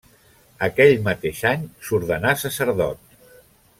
Aquell mateix any s'ordenà sacerdot.